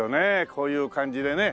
こういう感じでね。